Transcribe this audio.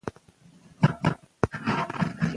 ښوونکي باید رښتیا ووايي.